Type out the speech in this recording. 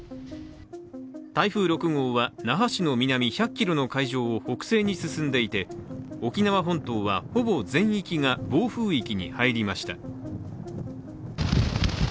台風６号は那覇市の南１００ｋｍの会場を北西に進んでいて、沖縄本島はほぼ全域が暴風域に入りました。